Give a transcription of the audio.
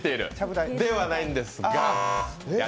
ではないんですが。